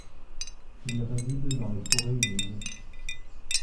Il réside dans les forêts humides.